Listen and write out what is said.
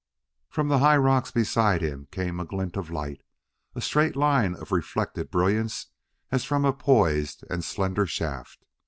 From the high rocks beside him came a glint of light, a straight line of reflected brilliance as from a poised and slender shaft.